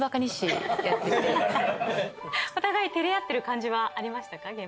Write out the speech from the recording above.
お互い照れ合ってる感じはありましたか？